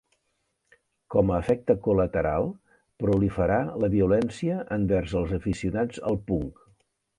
Com a efecte col·lateral, proliferà la violència envers els aficionats al punk.